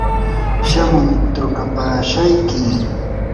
shamuy trukapashayki.